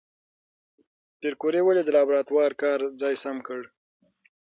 پېیر کوري ولې د لابراتوار کار ځای سم کړ؟